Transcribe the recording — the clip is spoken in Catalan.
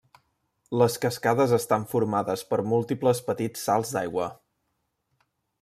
Les cascades estan formades per múltiples petits salts d'aigua.